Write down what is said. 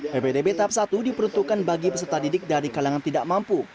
ppdb tahap satu diperuntukkan bagi peserta didik dari kalangan tidak mampu